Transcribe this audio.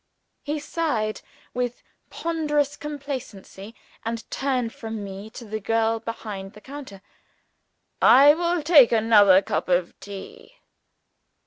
He sighed with ponderous complacency, and turned from me to the girl behind the counter. "I will take another cup of tea."